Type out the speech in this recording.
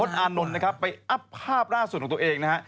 พศานไม้นะครับไปอัพภาพร่าสส่วนของตัวเองนะ